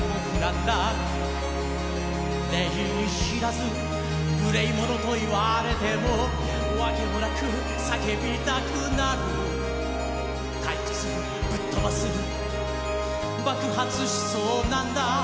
礼儀知らず無礼者と言われても訳もなく叫びたくなる退屈ぶっ飛ばす爆発しそうなんだ